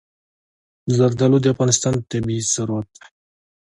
زردالو د افغانستان طبعي ثروت دی.